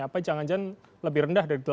apa jangan jangan lebih rendah dari delapan tahun